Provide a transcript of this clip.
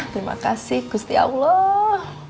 terima kasih gusti allah